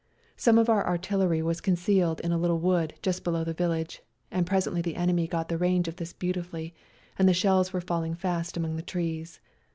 Some of our artillery was concealed in a little wood just below the village, and presently the enemy got the range of this beautifully, and the shells were falling fast among the trees.